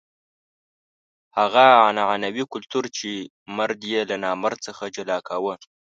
هغه عنعنوي کلتور چې مرد یې له نامرد څخه جلا کاوه.